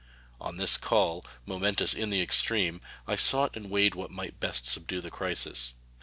On this call, momentous in the extreme, I sought and weighted what might best subdue the crisis.